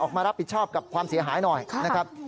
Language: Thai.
มารับผิดชอบกับความเสียหายหน่อยนะครับ